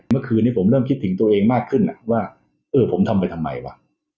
เมื่อคืนนี้ผมเริ่มคิดถึงตัวเองมากขึ้นว่าเออผมทำไปทำไมวะ